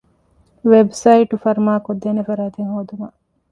ވެބްސައިޓު ފަރުމާކޮށްދޭނެ ފަރާތެއް ހޯދުމަށް